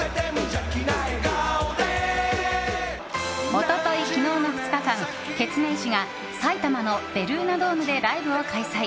一昨日、昨日の２日間ケツメイシが埼玉のベルーナドームでライブを開催。